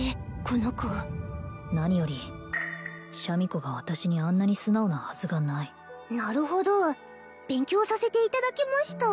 この子何よりシャミ子が私にあんなに素直なはずがないなるほど勉強させていただきました